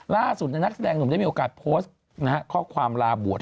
ล่าสุดนักแสดงหนุ่มได้มีโอกาสโพสต์ข้อความลาบวช